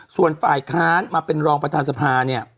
ส่วนฝ่ายค้านมาเป็นรองประธานสภาเนี่ย